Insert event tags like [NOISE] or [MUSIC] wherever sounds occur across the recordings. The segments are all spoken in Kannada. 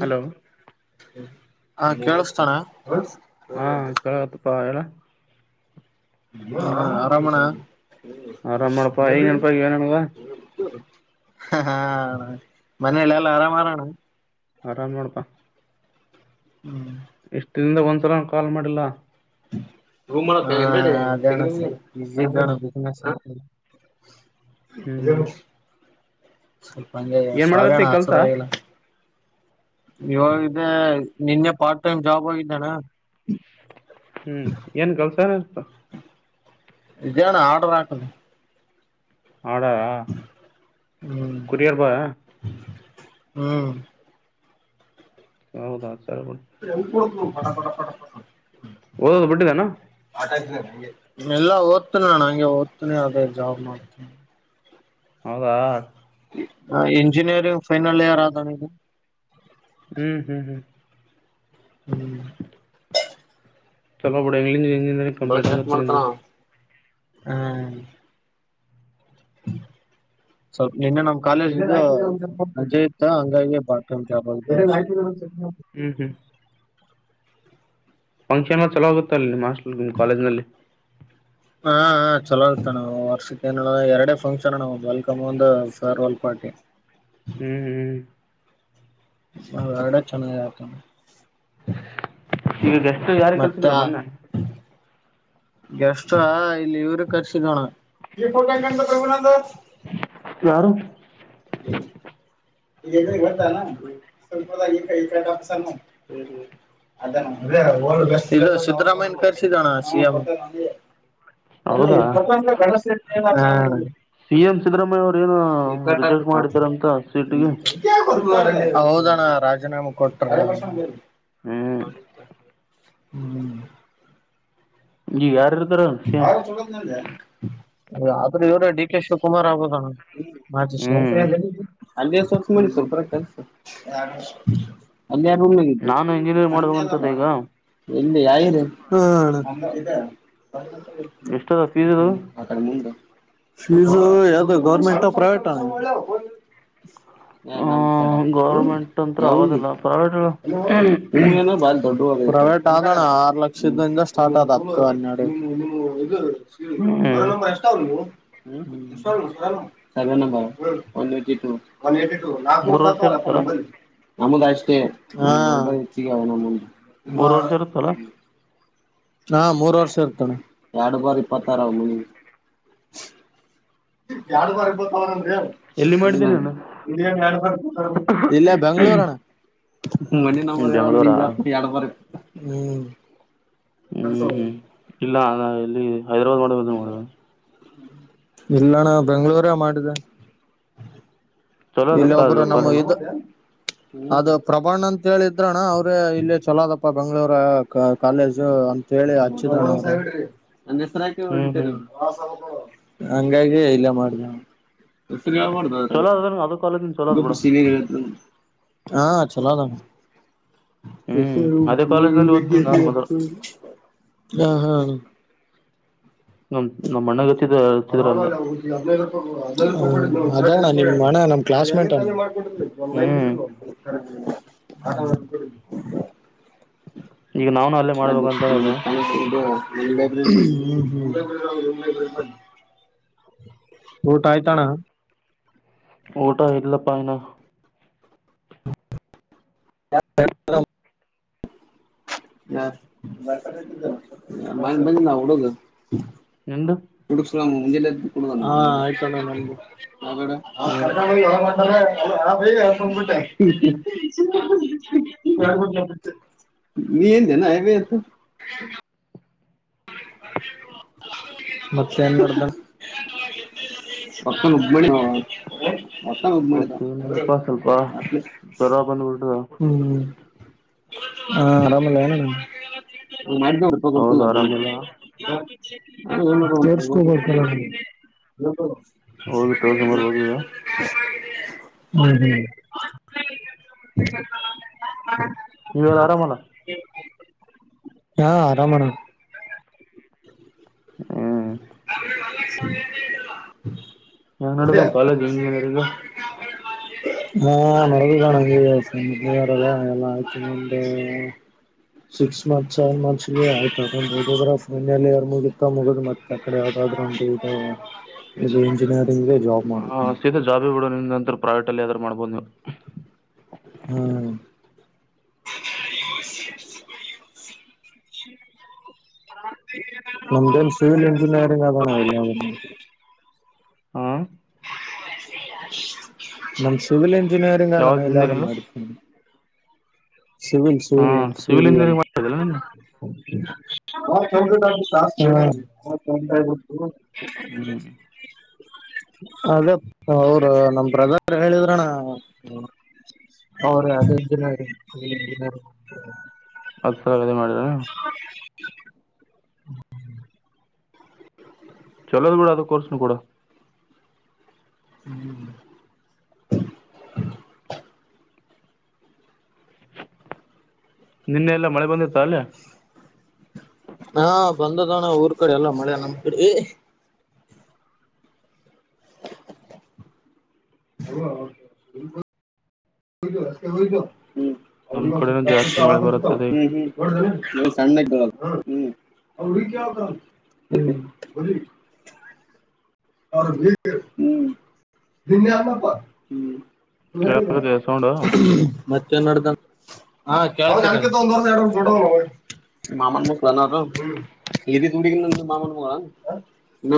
ಹಲೋ ಹಾ ಕೇಳ್ಸ್ತಾನ ಹಾ ಕೆಳಕತ್ತಪ್ಪಾ ಹೇಳ ಆರಾಮಣ್ಣ [UNINTELLIGIBLE] ಆರಾಮ್ ಮಾಡಪಾ ಈಗ ನೆನಪಾಗ ಏನನ್ಗ ಹಾ ಅಣ್ಣ ಮನೆೆಲೆಲ್ಲಾ ಆರಾಮಾರಣ್ಣ ಆರಾಮ್ ನೋಡಪ್ಪಾ ಹ್ಮ್ ಇಷ್ಟ್ ದಿನದಿಂದ ಒಂದ್ಸಲನೂ ಕಾಲ್ ಮಾಡಿಲ್ಲ ಹಾ ಅದೇ ಅಣ್ಣ ಸ್ವಲ್ಪ ಬ್ಯುಸಿ ಇದ್ದೆ ಅಣ್ಣ ಬಿಸಿನೆಸ್ ಹ್ಮ್ [UNINTELLIGIBLE] ಸ್ವಲ್ಪ ಹಂ ಏನ್ ಸಾರಿ ಅಣ ಮಾಡಕತ್ತಿ ಕೆಲ್ಸ ಹಚ್ಚೋದಾಗಿಲ್ಲ ಇವಾಗಿದ್ದ ನಿನ್ನೆ ಪಾರ್ಟ್ ಟೈಮ್ ಜಾಬ್ ಆಗಿದ್ದಾನ ಹ್ಮ್ ಏನ್ ಕಲ್ಸರ್ ಹಾ ಇದಗಾನ ಆರ್ಡರ್ ಆಾಕುದು ಆಡಾ ಹ್ಮ್ ಕುರಿಯಾರ ಬ ಹ್ಮ್ ಹೌದದು ಎ ಹ ಒದುದು ಬಡದ ನ ಎಲ್ಲಾ ಓದ್ತನಣಂಗೆ ಓದ್ತನಿ ಅದೇ ಜಾಬ್ ಮಾಡ್ತೀನ ಹೌದಾ ಹ ಎಂಜಿನಿಯರಿಂಗ್ ಫೈನಲ್ ಇಯರ್ ಆದ ನೀದು ಹ್ಮ್ ಹ್ಮ್ ಹ್ಮ್ ಹ್ಮ್ ಚಲ್ಲಬಡ ಇಿ ಇಂಜಿನಿಯರಿಂಗ್ ಬಾಳ ಕಂಪ್ಲೀಟ್ ಚೆಕ್ ಆಗುತ್ತೆ ಮಾಡ್ತಾನ ನಿೆ ಅವ. ಹ್ಮ್ ಸ್ವಲ್ಪ ನಿನ್ನೆ ನಮ ಕಾಲೇಜ ಅಜ್ಜೆ ಇತ್ತ ಹಂಗಾಗಿ ಬಾಬ ಹ್ಮ್ ಹ್ಮ್ ಫಂಕ್ಷನ್ ಚಲೋ ಆೋಗುತ್ತ ಅಲ್ಲಿ ಮಾಸ್ಟರ್ ಕಾಲೇಜ್ ನಲ್ಲಿ ಹಾ ಚಲೋ ಆತ ನಾವು ವರ್ಷಕ್ಕೆ ಏನ ಎರಡ ಫಂಕ್ಷನ್ ವಲ್ಮ್ ಒಫರ್ಲ್ ಪಾರ್ಟಿ ಹ್ಮ್ ಹ್ಮ್ ಹ ಎಡ ಚೆನ್ನ ಯತ ಈಗ ಎಷ್ಟು ಯಾರ ಕೆಲ್ಸಿದ್ರ ಮೊನ್ನೆ ಎಷ್ಟ ಇಲ್ಲಿ ಇವರು ಕರ್ಸಿದೋಣ ಯಾರು ಹ್ಮ ಗ ಸುತರಾಮ ತ ಹೌದಾ ಅಲ್ಲಿೇ ತಪ್ಪಂದ ಗಣಸಟ್ಟ ಹಾ ಸಿ ಎಂ ಸಿದ್ದರಾಮಯ್ಯ ಅವರು ಏನ ರಿಜೆಕ್ಟ್ ಮಾಡಿದಾರ ಅಂತ ಹ್ಮ ಹೌದಣ್ಣ ರಾಜೀನಾಮೆ ಕೊಟ್ರ ಹ್ಮ್ ನೋಡತ ಹ್ಮ್ ಈ ಯಾರ ಇರ್ತಾರ ಸಿ ಎಂ [UNINTELLIGIBLE] ಆದ್ರೂ ಇವರ ಡಿ ಕೆ ಶಿವಕುಮಾರ್ ಆಗ್ಬೋದಣ. ಮಾಜಿ ಶಾಸ ಹ್ಮ್ [UNINTELLIGIBLE] ನಾನು ಇಂಜಿನಿಯರಿಂಗ್ ಮಾಡ್ಬೇಕಂತದ ಈಗ. ಎಲ್ಲಿ ಎಷ್ಟದ ಫೀಸ್ ಇದು ಅಕ್ಡಿ ಮುಂದ್. ಫೀಸು ಯಾವ್ದು ಗೌರ್ಮೆಂಟಾ ಪ್ರೈವೇಟಾ. ಆ ಗೌರ್ಮೆಂಟ್ ಅಂತ್ರ ಆಗೋದಿಲ್ಲ ಪ್ರೈವೇಟ್ [UNINTELLIGIBLE] ಪ್ರೈವೇಟ್ ಆದಣ ಆರು ಲಕ್ಷದಿಂದ ಸ್ಟಾರ್ಟ್ ಆದ. ಹತ್ತು, ಹನ್ನೆರಡು ಇದು. ಸರ್ವೇ ಹ್ಮ್ ನಂಬರ್ ಎಸ್ಟ್ ಆವ ನಿಬ್ಬುವು. ಸರ್ವೇ ನಂಬರ್ ಹಾ ಒನ್ ಏಟಿ ಟು. ಮೂರ್ ವರ್ಷ ಇರುತ್ತಲ್ಲ [UNINTELLIGIBLE] ನಮ್ಮದು ಅಷ್ಟೇ ಹೆಚ್ಚಿಗೆ ಆವ ನಂಬುವು. ಮೂರು ವರ್ಷ ಇರುತ್ತಲ್ಲ. ಹಾ ಮೂರ್ ವರ್ಷ ಇರ್ತಣ್ಣ ಎರಡು ಬಾರಿ ಇಪ್ಪತ್ತಾರ ಹ್ಮ ಎಲ್ಲಿ ಮಾಡಿದ್ದೆ ನೀನು ಇಲ್ಲ ಬೆಂಗಳೂರು ಅಣ್ಣ. ಮನಿ ನಂಬರ್ ಯ ಬೆಂಗಳೂರಾ ಈಗ ಎರಡ್ ಬ ಹ್ಮ್. ಹ್ಮ್ ಹ್ಮ್ ಇಲ್ಲ ಅ ಎಲ್ಲಿ. [INAUDIBLE] ಇಲ್ಲಣ ಬೆಂಗ್ಳೂರ ಮಾಡಿದೆ. ಚಲೋ ಅದ ಇಲ್ಲಿ ಕ್ಲಾ ಒಬ್ಬರು ನಮ್ಮ ಕಾಲೇಜ್ ಇದು ಅದು ಪ್ರಭಾಣ ಅಂತ ಹೇಳಿದ್ರಣ ಅವ್ರೇ ಇಲ್ಲಿ ಚಲೋದಪ್ಪ ಬೆಂಗ್ಳೂರ ಕಾಲೇಜು ಅಂತ ಹೇಳಿ ಹಚ್ಚಿದ್ರಣ. ಹ್ಮ್ ಹ್ಮ್ [UNINTELLIGIBLE] ಹಂಗಾಗಿ ಇಲ್ಲ ಮಾಡಿದೆ ಅಣ್ಣ. ಹೆಸರು ಹೇಳಬಾಡದ ಚಲೋ ಆದ್ರಗ. ಅದ ಅದು ಕಾಲೇಜ್ ಚಲೋ ಅದ ಬಿಡ [UNINTELLIGIBLE] ಹಾ ಚಲೋ ಆದ ಅಣ್ಣ. ಹ್ಮ್ ಅದೇ ಕಾಲೇಜ್ನಲ್ಲಿ ಓದ್ತಿದ್ದೆ ನಾನ್ ಮೊದಲು [UNINTELLIGIBLE] ಹಾ ಹಾ. ನ ನಮ್ಮ್ ಅಣ್ಣಗತ್ತ [UNINTELLIGIBLE] ಅಲ್ಲ ಹದಿನೈದು ಕೊಡ ಅದೇ ಅಣ್ಣ ನಮ್ಮ ಅಣ್ಣ ಕ್ಲಾಸ್ಮೇಟ್ ಅಣ್ಣ ಹ್ಮ್ [UNINTELLIGIBLE] [UNINTELLIGIBLE] ಈಗ ನಾವನು ಅಲ್ಲೇ ಮಾಡ್ಬೇಕು ಅಂತನದು [UNINTELLIGIBLE] ಹ್ಮ್ ಹ್ಮ್ [UNINTELLIGIBLE] ಊಟ ಆಯ್ತ ಅಣ್ಣ ಊಟಾ ಇಲ್ಲ ಅಪ್ಪ ಏನು [UNINTELLIGIBLE] ಹಾ [UNINTELLIGIBLE] ಮ ಮ ನಾವಡುುದು [UNINTELLIGIBLE] ನಿಂದು ಮೂಜನ ಇದು ಕುರುಡನ ಆಯಿತು ಅಣ್ಣ ಹೊಡೆ ಕರ್ಕೊಂಡ್ ಹ್ಮ್ ಬಂಡೆಯ [UNINTELLIGIBLE] [UNINTELLIGIBLE] ಬಾಕ್ಗ್ರೌಂಡ್ ವಾಯ್ಸ್ ಮತ್ತೆ ನ್ ಮಾಡ್ದ ಪಕ್ಕನ್ ಉಬ್ಬಿ [UNINTELLIGIBLE] ಹೊಷ ಹ ಇವರು ಮತ್ತೇನಿಲ್ಲಪ್ಪಾ ಸ್ವಲ್ಪ [UNINTELLIGIBLE] ಜ್ವರ ಬಂದ್ಬಿಟ್ಟದ ಹ್ಮ್ [UNINTELLIGIBLE] ಹಾ ಆರಾಮಲ್ಲ ಏನು ಅಣ್ಣ ಮಾಡಿದಡ್ಪ ಹೌದು ಕೊಡ್ತಲ್ಲ ಆರಾಮಿಲ್ಲ [UNINTELLIGIBLE] ತೋರ್ಸೋ ಬೇಕು ಹೋಗಿ ತೋರ್ಸ್ಕೊಂಡ್ ಬರ್ಬೇಕು ಈಗ ಅಣ್ಣ [INAUDIBLE] [UNINTELLIGIBLE] [UNINTELLIGIBLE] ಹ್ಮ ನೀವೆಲ್ಲ [UNINTELLIGIBLE] ಆರಾಮಲ್ಲ [UNINTELLIGIBLE] ಹಾ ಆರಾಮ ಅಣ್ಣ ಹ್ಮ್ [UNINTELLIGIBLE] [INAUDIBLE] ಹೆಂಗ ನೋಡದ ಅದೇ ಕಾಲೇಜ್ ಇಂಜಿನಿಯರಿಗು ಹಾ ನರಗಿದ ನಂಗೆದ ಎಲ್ಲ ಆಯ್ತು ಸಿಕ್ಸ್ ಮಂತ್ಸ್ ಸೆವೆನ್ ಮಂತ್ಸ್ ಆಯ್ತು ಟ್ರ ಮ ಮುಗುತ್ತ ಮುಗ ಮತ್ತೆ [UNINTELLIGIBLE] ಅಡೆ ಯದಾದ್ರಟ ಇ ಇ ಇಂಜಿನಿಯರ್ ಹಾ ಸೀತಾ ಜಾಬಿ ಬಿಡ ನಿ ನಂತರ ಪ್ರೈವೇಟ ಅಲ್ಲಿ ಯ್ದಾರರು ಮಾಡ್ಬೋದು್ ನೀವು ಹ್ಮ ಅಣ್ಣ [UNINTELLIGIBLE] ನಮ್ಮ ಏನು ಸಿವಿಲ್ ಇಂಡಿನಿಯರಿಂಗ್ ಅದಾ ಅಣ್ಣ [UNINTELLIGIBLE] ಹ [UNINTELLIGIBLE] ನಮ್ಮ ಸಿವಿಲ್ [UNINTELLIGIBLE] ಇಂಜಿನಿಯರಿಂಗ್ ಅದಾ ಅಣ್ಣ ಯಾವ್ದು ಎಲ್ಲಿ ಅದಾ ಇಂಜಿನಿಯರಿಂಗ್ ನಡೆಯುತ್ತೆ ಸಿವಿಲ್ ಹಾ ಸಿವಿಲ್ ಸಿವಿಲ್ ಇಂಜಿನಿಯರಿಂಗ್ ಮಾಡಿದ್ರಲ್ಲ ನೀನು ಇಂಡಿನಿಯರಿಂಗ್ [UNINTELLIGIBLE] [UNINTELLIGIBLE] ಹ [UNINTELLIGIBLE] [UNINTELLIGIBLE] ಹ್ಮ್ [INAUDIBLE] ಅದೇ ಅವರು ನಮ್ ಬ್ರದರ್ ಹೇಳಿದ್ರಣ ಅವ್ರ ಇಂಜಿನಿಯಾರ್ ಈ ಇಂಜಿನಿಯರ್ ಆದ್ ಸರಿ ಮತ್ ದ ಚಲೋದು ಅದ ಕೋರ್ಸ್ನು ಕೂಡ ಹ್ಮ್ ನಿನ್ನೆ ಎಲ್ಲ ಮಳೆ ಬಂದ ತ್ ತಲ್ಲ ಹಾ ಬಂದದಣ ಊರ್ ಕಡೆ ಎಲ್ಲ ಮಳೆ ನಮ್ಮ್ ಕಡೆ ಏ ಅವ್ವ ಬಿಲ್ ಬಂತ್ ಹತೆ ಹತ ನಮ್ಮ ಹ್ಮ ಹ್ಮ ಕಡೆನೂ ಜಾಸ್ತಿ ಮಳೆ ಬರುತ್ತದೆ ಸಣ್ಣಗ ಬ್ರೋ. ಹ್ಮ್ಮ್ಅವ ಹೂಡಿಕೊಳ್ತ ಅವ ಗ್ರೀನ್ ಟೀ ಹೇಳ್ ಹ್ಮ ನಿನ್ನೆ ಅಮಾ ಪ ಹ್ಮ ಒಳಗಿದರ ಕೇಳಾಕತ್ತಿದೆ ಸೌಂಡು ಮತ್ತೇನ್ ನೋಡ್ತಾಂತ್ ಹ.. ಅವ್ನು ನನಗಿಂತ ಒಂದು ವರ್ಷ ಎರಡು ವರ್ಷ ದೊಡ್ಡವನು ಓಯ್ ಮಾಮನ್ದ ಪೋನ್ ಅದು.. ಹ್ಮ್ಮ್ ಇದೇ ಹುಡಗನಾ ಮಾಮನ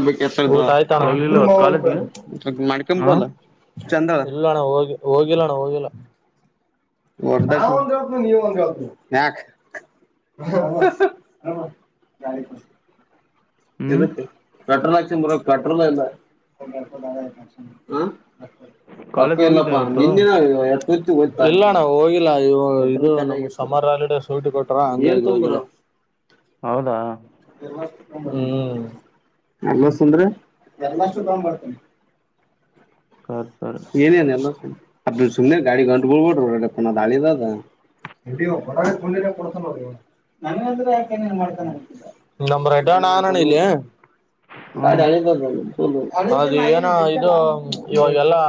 ಬ ಎ ಇಬ್ರು ಹೋಗ್ಲಿಲ್ಲ ಇವತ್ತು ನಾವ್ ಕಾಲೇಜಿಗೆ ಹಾಂ ಅಂತಾನೆ ಚಂದಲ್ಲ ಇಲ್ಲಣ ಹೋಗ ಹೋಗಿಲ್ಲಣ ಹೋಗಿಲ್ಲ ನಾ ಒಂದ್ ಹೇಳ್ತಿನೀ ನೀ ಒಂದ್ ಹೇಳ್ತಿ ಯಾಕ್ ಹ್ಞೂ ಎಧಿಕ್ಕೆ ಪೆಟ್ರೋಲ್ ಆಕ್ಷನ್ ಬರೋಗ್ ಪೆಟ್ರೋಲ್ ಇಲ್ಲ ಅಕ್ಕ ಕಾಲೇಜ್ಗೆ ಹೋಗಿದ್ದೆ ಇಲ್ಲಪ್ಪ ಇವತ್ತು ನಿನ್ನ ಇಲ್ಲಣ ಹೋಗಿಲ್ಲ ಇ ನಮ ಸಮರ್ ಹಾಲಿಡೇಸ್ ಡೂಟ್ ಕೊಟ್ರ ಹ ಹೌದಾ ಹ್ಮ್ ಎನ್ಗಸಂದ್ರಿ ಎಲ್ಲಾಸಗಂಧ್ ಸರಿ ಸರಿ ಏನೇನುಎಲ್ಲಾ ನನಗಾದ್ರೆ ಯಾಕಿಂಗ್ ಮಾಡ್ತಾನ ನಂಬ್ರ ಟಾ ನಾನಣಲ್ಲ ಹ್ಞೂ ಅದು ಏನೂ ಇದು ್ಮ ಇವಾಗೆಲ್ಲಾ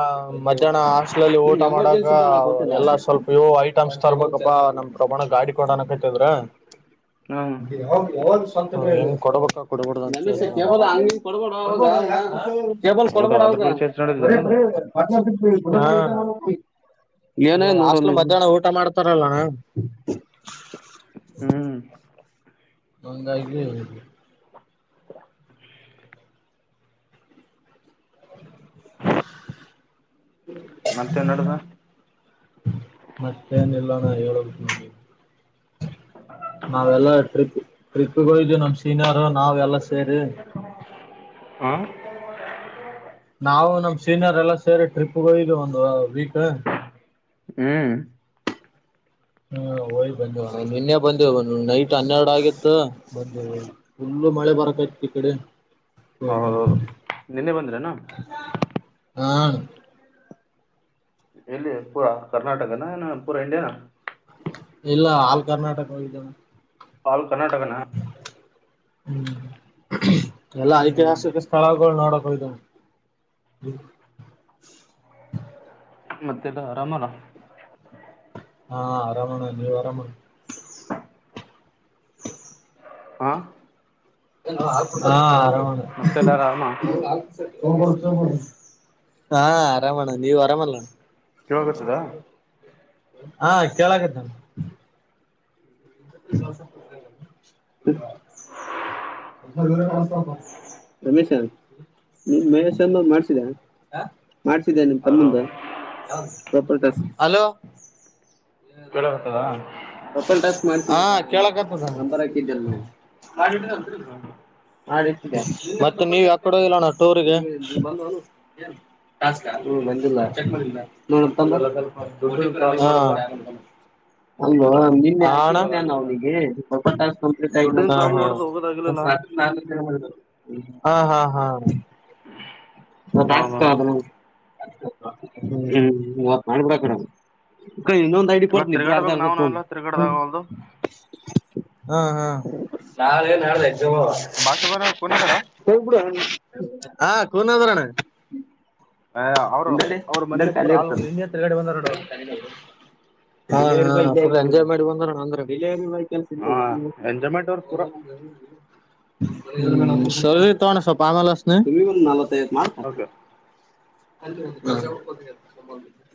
ಮಧ್ಯಾಹ್ನ ಹಾಸ್ಟ್ಲ ಅಲ್ಲಿ ಇವಗೆಲ್ಲ ಮಧ್ಯಾನ ಹಾಸ್ಟೆಲಅಲ್ಲಿಊಟ ಮಾಡಾಗ ಎಲ್ಲಾ ಸ್ವಲ್ಪ ಇವು ಐಟಮ್ಸ್ ತರ್ಬೇಕಪ್ಪಾ ನಮ್ ಪ್ರಮಾಣ ಗಾಡಿ ಕೊಡನಕೈತದ್ರ ಹಾಂ ಯಾವಾಗ ಎಸ್ಕೊಂಡೆ ಕೊಡಬೇಕಾ ಕೊಡ್ಬೇಡ್ವ ಅಂತ ೇಬಲ್ ಕೊಡು ಹೌದಾ ಅದ್ರ ಬಗ್ಗೆ ಚರ್ಚೆ ನಡೆದಿದೆ ಏನದು ಹ ಏನೋ.. ಹಾಸ್ಟೆಲ್ ಮಧ್ಯಾಹ್ನ ಊಟ ಮಾಡ್ತಾರಲ ಹ್ಮ್ ಹಂಗಾಗಿ [INAUDIBLE] ಮತ್ತೆನ್ನಡದ ಹ್ಮ ನಾವೆಲ್ಲ ಟ್ರಿಪ್ ಟ್ರಿಪ್ಗೆ ಹೋಗ್ದವಿ ನಮ ಸೀನಿಯರ್ ನಾವ್ ಎಲ್ಲ ಸೇರಿ ಹಾಂ ನಾವು ನಮ್ ಸಿನೆರ್ ಎಲ್ಲ ಸೇರಿ ಟ್ರಿಪ್ಗ್ ಹೋಗಿದ್ವು ಒಂದು ವೀಕ ಹ್ಮ್ ಹಾ ಹೊಯ ಬಂದ ನಿನ್ನೆ ಬಂದೆವು ಒ ನೈಟ್ ಹನ್ನೆರಡು ಆಗಿತ್ತ ಬಂದ ಫುಲ್ಲು ಮಳೆ ಬರಕ್ಯತ್ ಈ ಕಡೆ. ಹೌದೌದು [UNINTELLIGIBLE] ನಿನ್ನೆ ಬಂದ್ರೇನಾ ಹಾ ಎಲ್ಲಿ ಪೂರ ಕರ್ನಾಟಕನ ಏನ ಪೂರ ಇಂಡಿಯಾನ? ಇಲ್ಲ ಆಲ್ ಕರ್ನಾಟಕ ಹೋಗಿದ್ದೆವ ಆಲ್ ಕರ್ನಾಟಕನ. ಹ್ಮ್ ಎಲ್ಲ ಹ್ಞೂ ಹ್ಞೂ ಐತಿಹಾಸಿಕ ಸ್ಥಳಗಳು ನೋಡಕ್ ಹೋಗಿದ್ವು. ಹ್ಮ ಮತ್ತೆಲ್ಲ ಆರಾಮಲ್ಲ ಹಾ ಆರಾಮಣ ನೀವು ಆರಾಮ? ಹಾ ಹಾ ಆರಾಮ್ ಮಣ ಮತ್ತೆಲ್ಲ ಆರಾಮ [UNINTELLIGIBLE] [UNINTELLIGIBLE] ಹಾ ಆರಾಮಣ್ಣ ನೀವ್ ಆರಾಮಲ್ಲಣ? ಕೇಳಕತ್ತದ [UNINTELLIGIBLE] ಹಾ ಕೇಳಕತ್ತಣ್ಣ. [UNINTELLIGIBLE] ರಮೇಶ್ ನೀ ಮಹೇಶ್ ಅನ್ನೋದ್ ಮಾಡ್ಸಿದ ಆ ಮಾಡ್ಸಿದ್ಯಾ ನಿಮ್ ಹಲೋ ತಮ್ಮಂದು ಯಾವ್ದು ಸ ಹಲೋ ಕೇಳಕತ್ತದ ಪ್ರೊಫೈಲ್ ಟಾ ಹ ಕೇಳಕತ್ತದ ನಂಬರ್ ಹಾಕಿದ್ಯಲ್ನೋ [UNINTELLIGIBLE] ಮತ್ತ ನೀವ್ ಯ ಕೊಡೋಗಿಲ್ಲಣ್ಣ ಟೂರಿಗೆ ಟಾಸ್ಕ್ ಹ್ಮ್ ಬಂದಿಲ್ಲ ಚೆಕ್ ಮಾಡಿಲ್ವ? ನೋಡಣ್ ತಾಬ ಈಗೆಲ್ಲ ಸ್ವಲ್ಪ ಓ ಟಿ ದುಡ್ಡಿನ ಪಿ ರಮೇಶ್ ಪ್ರಾಬ್ಲಮ್ ಹಾ ನೋಡದ [UNINTELLIGIBLE] ಅಲ್ವಾ ನಿನ್ ನಾನ್ ಹೋಗೋದಾಗಲಿಲ್ಲ ಅವ್ನಿಗೆ ಪ್ರೊಫೈಲ್ ಟಾಸ್ಕ್ ಕಂಪ್ಲೀಟ್ ಆಗಿಲ್ಲಲ ದುಡ್ಡಿನ ಪ್ರಾಬ್ಲಮ್ ನೋಡದ ಹಾ ಹೋಗೋದಾಗಿಲಿಲ್ಲ ಹಾ ರಾತ್ರಿ ನಾನೇ [UNINTELLIGIBLE] ಮಾಡಿರದು. ಹಾ ನಾ ಟಾಸ್ಕಾದ್ನ ಹ್ಮ್ತ್ ಮುವತ್ತ್ ಮಾಡ್ಬಿಡಾಕಡೆ. ಕ ಇನ್ನೊಂದ ಐ ಡಿ ಕೊಡ್ತ್ನಿ ಇಬ್ರು ಅರ್ಧ ಅರ್ದ್ ತೊಂಬಿಡಿ. ಊದೊ. ಹ್ಮ್ ಹ್ಮ್ ನಾಳೆ ನಾಳೆ ಎಕ್ಸಾಮ್ ಹ್ಮ್ ಆವಾ ಭಾಷೆ ಬ ಕುನದಾರ ಹೋಗ್ಬಿಡು ಅಣ್ಣ ಹಾ. ಕುನ್ ಅದರ ಅಣ್ಣ. ಹೆ ಅವ್ರು ಅವ್ರು ಮನ್ನೆ ಪುರ ಆಲ್ ಇಂಡಿಯಾ ತಿರಗ್ಯಾಡ್ ಬಂದರ ನೋಡ್ ಅವ್ರು. ಆ ಪುರ ಎಂಜಾಯ್ ಮಾಡಿ ಬಂದರ ಅಣ್ಣಾ ಅಂದರ್ ಇಂಡಿಯನ್ಸ್ ಇಲ್ಲೆ ಹಾ ಎಂಜಾಯ್ಮೆಂಟ್ ಅವ್ರ ಪೂರ ಪು ಸರಿ ತೋ ಅಣ್ಣಾ ಸ್ವಲ್ಪ್ ಆಮ್ಯಾಲ ಹಚ್ಚತಿನಿ. ತೆ ಮಾರ್ಕ್ ಓಕೆ ಮಾಡ್ತೇನಾ. ಆಲ್ ಹೋಕ್ಯರ್ ಜೋಗ್ ಪಾಲ್ಸ್ ಹೋಗ್ಯಾರ್ [UNINTELLIGIBLE]